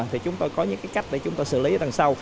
thì chúng tôi có những cái cách để chúng tôi xử lý ở đằng sau